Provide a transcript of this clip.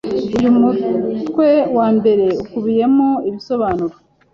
Uyu mutwe wa mbere ukubiyemo ibisobanuro